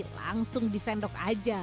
langsung disendok aja